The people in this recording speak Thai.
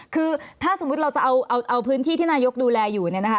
คือถ้าสมมุติเราจะเอาพื้นที่ที่นายกดูแลอยู่เนี่ยนะคะ